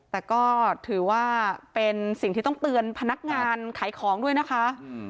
แต่ก็ถือว่าเป็นสิ่งที่ต้องเตือนพนักงานขายของด้วยนะคะ